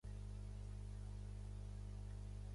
Això es fa mitjançant una qualificació T.